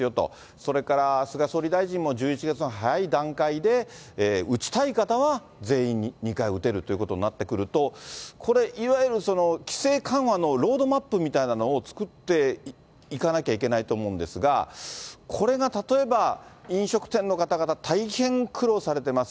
それから菅総理大臣も１１月の早い段階で打ちたい方は全員２回打てるということになってくると、これ、いわゆる規制緩和のロードマップみたいなのを作っていかなきゃいけないと思うんですが、これが例えば、飲食店の方々、大変苦労されてます。